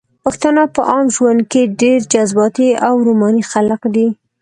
پښتانه په عام ژوند کښې ډېر جذباتي او روماني خلق دي